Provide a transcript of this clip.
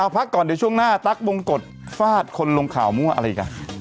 พักก่อนเดี๋ยวช่วงหน้าตั๊กบงกฎฟาดคนลงข่าวมั่วอะไรอีก